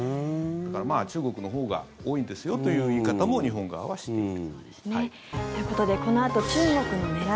だから、中国のほうが多いんですよという言い方も日本側はしている。